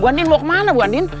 buandien mau kemana buandien